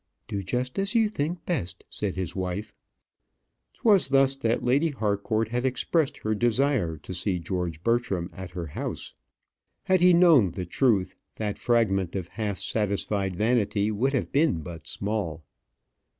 "Do just as you think best," said his wife. 'Twas thus that Lady Harcourt had expressed her desire to see George Bertram at her house. Had he known the truth, that fragment of half satisfied vanity would have been but small.